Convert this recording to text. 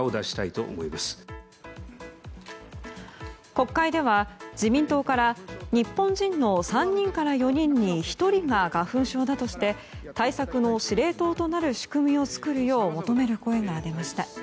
国会では自民党から日本人の３人から４人に１人が花粉症だとして対策の司令塔となる仕組みを作るよう求める声が出ました。